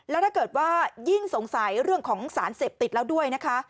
แล้วถ้าเกิดว่ายิ่งสงสัยเรื่องของสารเสพติดแล้วด้วยนะคะ